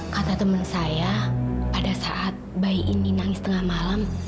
kata teman saya pada saat bayi ini nangis tengah malam